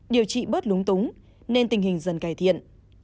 điều trị bớt lúng túng nên tình hình dần cải thiện